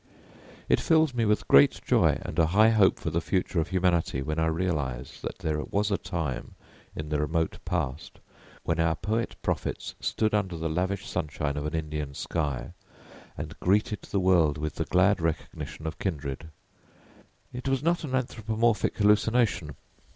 It fills me with great joy and a high hope for the future of humanity when I realise that there was a time in the remote past when our poet prophets stood under the lavish sunshine of an Indian sky and greeted the world with the glad recognition of kindred. It was not an anthropomorphic hallucination.